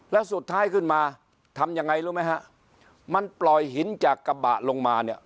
แล้วสุดท้ายขึ้นมาทำยังไงรู้ไหมฮะมันปล่อยหินจากกระบะลงมาเนี่ย